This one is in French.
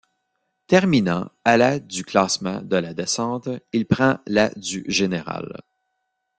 Terminant à la du classement de la descente, il prend la du général.